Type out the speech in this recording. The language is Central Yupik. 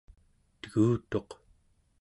tegutuq